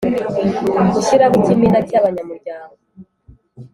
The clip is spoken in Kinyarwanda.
Gushyiraho ikimina cy abanya muryango